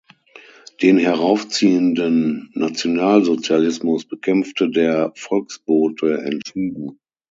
Den heraufziehenden Nationalsozialismus bekämpfte der „Volksbote“ entschieden.